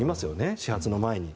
始発の前に。